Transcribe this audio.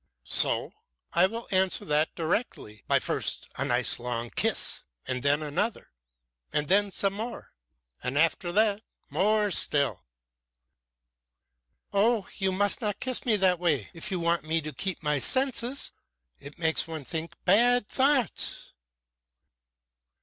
"So? I will answer that directly. But first a nice long kiss, and then another, and then some more, and after that more still." "Oh! You must not kiss me that way if you want me to keep my senses! It makes one think bad thoughts."